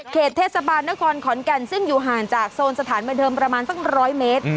เทศบาลนครขอนแก่นซึ่งอยู่ห่างจากโซนสถานบันเทิงประมาณสัก๑๐๐เมตร